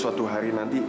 suatu hari nanti